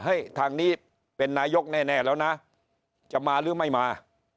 ให้ทางนี้เป็นนายกแน่แล้วนะจะมาหรือไม่มา